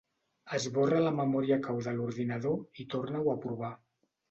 Esborra la memòria cau de l'ordinador i torna-ho a provar.